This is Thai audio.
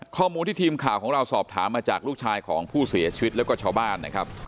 ข้อมูลที่ทีมข่าวของเราสอบถามมาจากลูกชายของผู้เสียชีวิตแล้วก็ชาวบ้านนะครับ